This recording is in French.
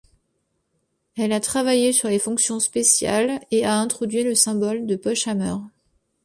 Il a travaillé sur les fonctions spéciales et a introduit le symbole de Pochhammer.